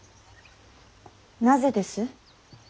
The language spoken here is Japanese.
なぜです。